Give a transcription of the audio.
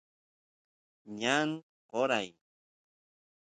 ñan qoray